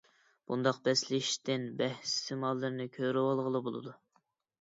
بۇنداق بەسلىشىشتىن بەھىس سىمالىرىنى كۆرۈۋالغىلى بولىدۇ.